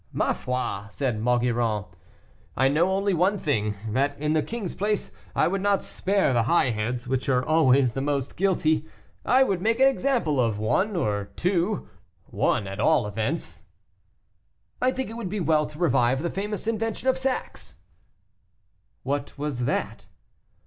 "Ma foi," said Maugiron, "I know one thing; that in the king's place I would not spare the high heads, which are always the most guilty. I would make an example of one or two one, at all events." "I think it would be well to revive the famous invention of sacks." "What was that?"